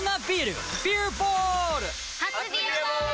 初「ビアボール」！